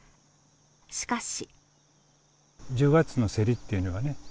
しかし。